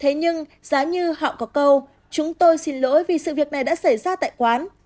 thế nhưng giá như họ có câu chúng tôi xin lỗi vì sự việc này đã xảy ra tại quán